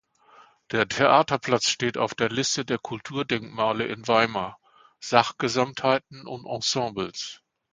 Der Theaterplatz steht auf der Liste der Kulturdenkmale in Weimar (Sachgesamtheiten und Ensembles).